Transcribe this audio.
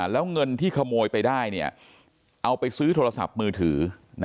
แล้วเงินที่ขโมยไปได้เอาไปซื้อโทรศัพท์มือถือ